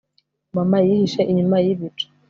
mama yihishe inyuma yibicu